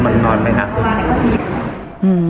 มันนอนไหมครับ